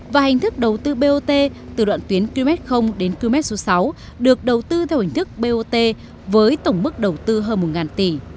và hình thức đầu tư bot từ đoạn tuyến km đến km số sáu được đầu tư theo hình thức bot với tổng mức đầu tư hơn một tỷ